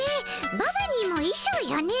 ババにもいしょうよね。